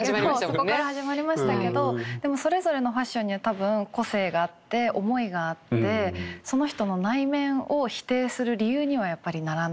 そこから始まりましたけどでもそれぞれのファッションには多分個性があって思いがあってその人の内面を否定する理由にはやっぱりならない。